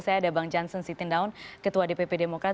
saya ada bang jansen sitindaun ketua dpp demokrat